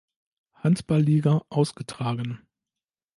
Handball-Liga" ausgetragen.